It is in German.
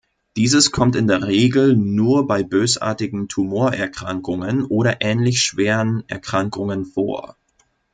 Dieses kommt in der Regel nur bei bösartigen Tumorerkrankungen oder ähnlich schweren Erkrankungen vor.